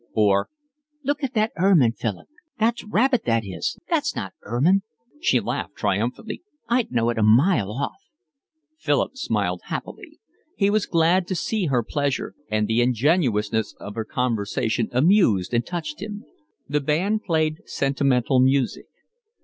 Or: "Look at that ermine, Philip. That's rabbit, that is—that's not ermine." She laughed triumphantly. "I'd know it a mile off." Philip smiled happily. He was glad to see her pleasure, and the ingenuousness of her conversation amused and touched him. The band played sentimental music.